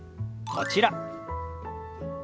こちら。